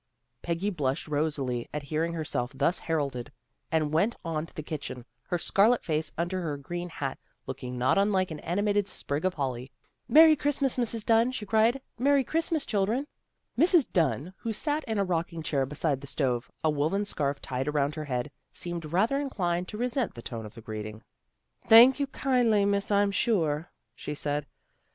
Peggy blushed rosily, at hearing herself thus heralded, and went on to the kitchen, her scarlet face under her green hat, looking not unlike an animated sprig of holly. " Merry Christmas, Mrs. Dunn," she cried, " Merry Christmas, children." Mrs. Dunn who sat in a rocking chair beside the stove, a woollen scarf tied around her head, seemed rather inclined to resent the tone of the greeting. " Thank you kindly, Miss I'm sure," she said.